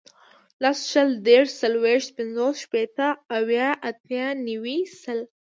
لس, شل, دېرس, څلوېښت, پنځوس, شپېته, اویا, اتیا, نوي, سل